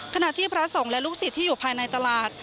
ขณะที่พระสงฆ์และลูกศิษย์ที่อยู่ภายในตลาด